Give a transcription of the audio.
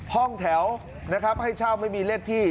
ห้องแถวนะครับให้เช่าไม่มีเลขที่